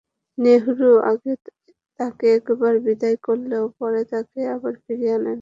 নেহরু আগে তাঁকে একবার বিদায় করলেও পরে তাঁকে আবার ফিরিয়ে আনেন।